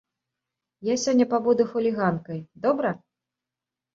Я сёння пабуду хуліганкай, добра?